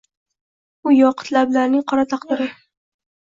U yoqut lablarning qora taqdiri.